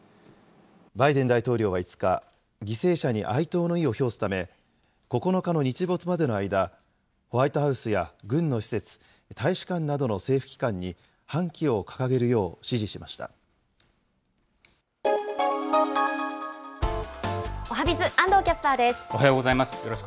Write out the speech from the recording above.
バイデン大統領は５日、犠牲者に哀悼の意を表すため、９日の日没までの間、ホワイトハウスや軍の施設、大使館などの政府機関に半おはＢｉｚ、おはようございます。